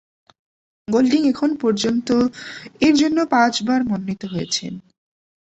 গোল্ডিং এখন পর্যন্ত এরজন্য পাঁচবার মনোনিত হয়েছেন।